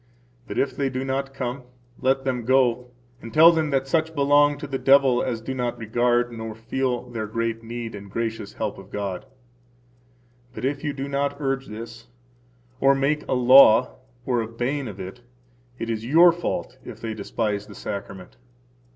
But if they do not come, let them go and tell them that such belong to the devil as do not regard nor feel their great need and the gracious help of God. But if you do not urge this, or make a law or a bane of it, it is your fault if they despise the Sacrament.